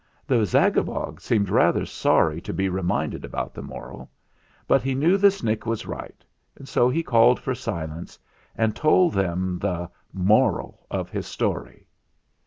The Zagabog seemed rather sorry to be re minded about the Moral ; but he knew the Snick was right, and so he called for silence and told them the Moral of his Story.